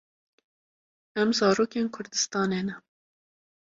Em zarokên kurdistanê ne.